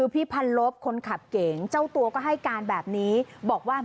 ทีนี้มันเฉียวรถเก่งเขา